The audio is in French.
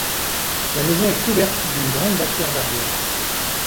La maison est couverte d'une grande bâtière d'ardoises.